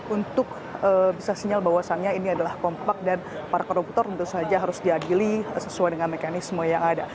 untuk bisa sinyal bahwasannya ini adalah kompak dan para koruptor tentu saja harus diadili sesuai dengan mekanisme yang ada